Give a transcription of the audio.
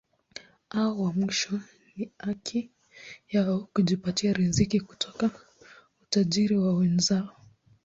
Hao wa mwisho ni haki yao kujipatia riziki kutoka utajiri wa wenzao.